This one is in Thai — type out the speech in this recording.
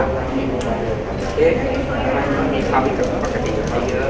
มีความรู้สึกปกติกับเขาเยอะ